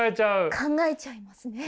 考えちゃいますね。